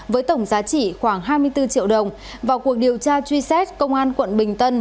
với tổng giá trị khoảng hai mươi bốn triệu đồng vào cuộc điều tra truy xét công an quận bình tân